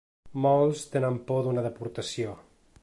Molts tenen por d’una deportació.